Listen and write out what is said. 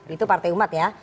itu partai umat ya